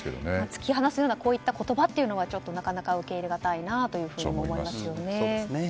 突き放すような言葉はなかなか受け入れがたいなと思いますよね。